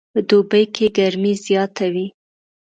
په دوبي کې ګرمي زیاته وي